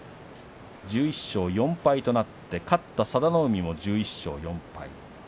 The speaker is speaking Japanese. １１勝４敗となって勝った佐田の海も１１勝４敗。